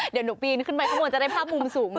เดี๋ยวหนูปีนขึ้นไปข้างบนจะได้ภาพมุมสูง